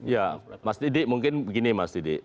ya mas didi mungkin begini mas didi